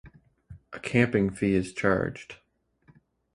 A camping fee is charged.